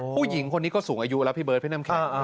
ผู้หญิงคนนี้ก็สูงอายุแล้วพี่เบิร์ดพี่น้ำแข็ง